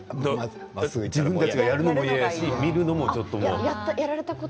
自分たちがやるのも嫌だし見るのも。